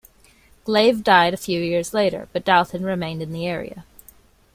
Glave died a few years later, but Dalton remained in the area.